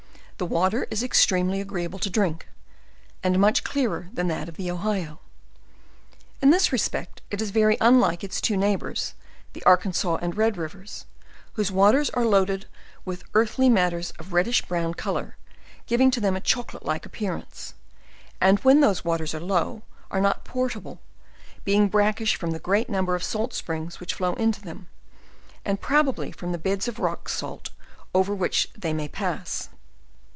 The water is extremly agreeable to drink, and much clearer than that of the Ohio. In this respect it is very unlike its two neighbors, the Arkansas and fted rivers, whose wa > LEWIS AND CLARKE, 185 ters are loaded with earthy matters of a reddish brown col or, giving to them a chocolate like appearance; and, when, those waters are low, are not portable, being brackish from the great number of salt springs which flow into them, and probably from the beds of rock salt over which they may pass.